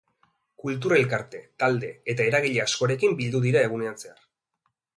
Kultur elkarte, talde eta eragile askorekin bildu dira egunean zehar.